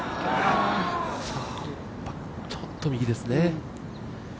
ちょっと右ですね。